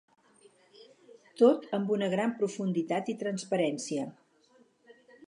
Tot amb una gran profunditat i transparència.